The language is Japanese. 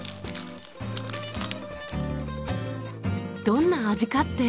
どんな味かって？